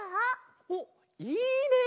おっいいね！